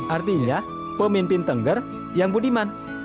artinya pemimpin tengger yang budiman